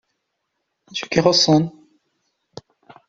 D acu i k-ixuṣṣen?